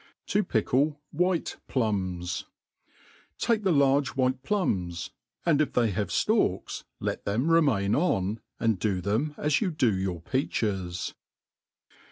To 'pi€kk JVhiU Plums. TAKE the Ja^rge White plums ; and if they have ftalks, let. them remain on, and do them as you do your peaches.